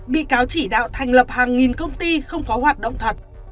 bị cáo chỉ đạo thành lập hàng nghìn công ty không có hoạt động thật